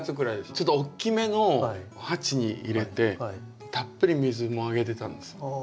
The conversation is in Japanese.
ちょっと大きめの鉢に入れてたっぷり水もあげてたんです。